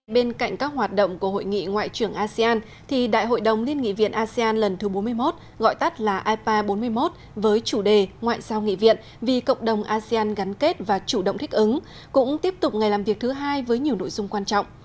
bên cạnh các hoạt động của hội nghị ngoại trưởng asean thì đại hội đồng liên nghị viện asean lần thứ bốn mươi một gọi tắt là ipa bốn mươi một với chủ đề ngoại giao nghị viện vì cộng đồng asean gắn kết và chủ động thích ứng cũng tiếp tục ngày làm việc thứ hai với nhiều nội dung quan trọng